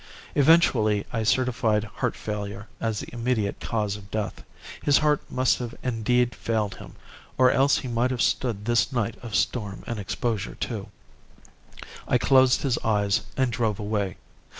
"Eventually I certified heart failure as the immediate cause of death. His heart must have indeed failed him, or else he might have stood this night of storm and exposure, too. I closed his eyes and drove away.